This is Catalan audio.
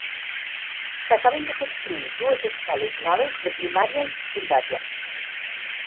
S'acaben de construir dues escoles noves de primària i secundària.